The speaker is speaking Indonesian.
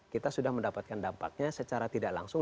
kita sudah mendapatkan dampaknya secara tidak langsung